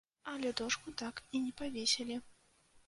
Але дошку так і не павесілі.